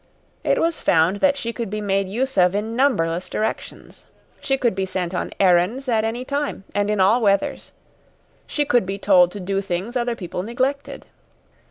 It was found that she could be made use of in numberless directions. She could be sent on errands at any time and in all weathers. She could be told to do things other people neglected.